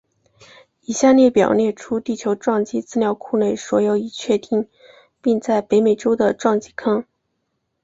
以下列表列出地球撞击资料库内所有已确认并在北美洲的撞击坑。